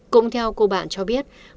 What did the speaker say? cũng theo cô bạn cho biết